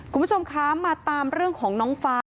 คุณผู้ชมคะมาตามเรื่องของน้องฟ้า